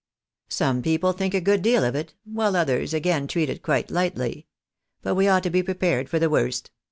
Some people think a good deal of it, while others again treat it quite lightly. But we ought to be prepared for the worst.